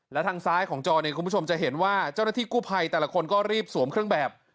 และทางซ้ายของจอเนี่ยคุณผู้ชมจะเห็นว่าเจ้าหน้าที่กู้ภัยแต่ละคนก็รีบสวมเครื่องแบบ